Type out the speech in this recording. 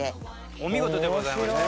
お見事でございましたね。